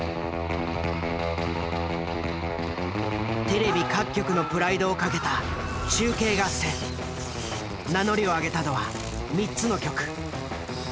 テレビ各局のプライドを懸けた名乗りを上げたのは３つの局。